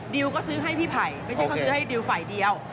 ดิวก็ซื้อให้พี่ไผ่ไม่ใช่เขาซื้อให้ดิวฝ่ายเดียว